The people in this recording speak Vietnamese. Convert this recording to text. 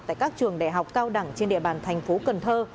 tại các trường đại học cao đẳng trên địa bàn thành phố cần thơ